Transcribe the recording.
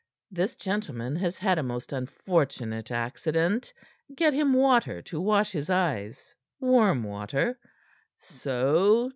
"This gentleman has had a most unfortunate accident. Get him water to wash his eyes warm water. So!